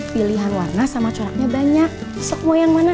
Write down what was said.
pilihan warna sama coraknya banyak sok mau yang mana